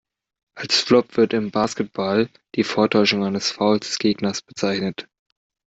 Als Flop wird im Basketball die Vortäuschung eines Fouls des Gegners bezeichnet.